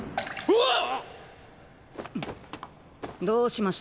あっ。